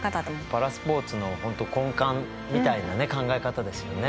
パラスポーツの本当根幹みたいなね考え方ですよね。